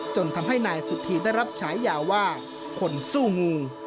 จนทำให้นายสุธีได้รับฉายาว่าคนสู้งู